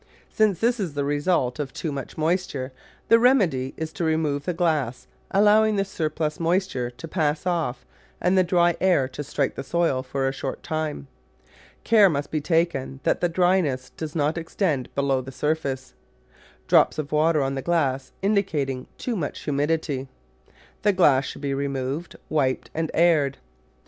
Since this is the result of too much moisture, the remedy is to remove the glass, allowing the surplus moisture to pass off and the dry air to strike the soil for a short time. Care must be taken that the dry ness does not extend below the surface. Drops of water on the glass indicate too much humidity. The glass should be removed, wiped, and aired.